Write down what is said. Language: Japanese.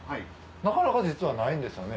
なかなか実はないんですよね。